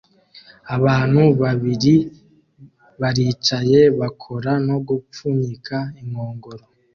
Abantu babiri baricaye bakora no gupfunyika inkongoro